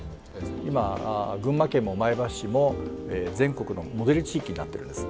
今群馬県も前橋市も全国のモデル地域になってるんです。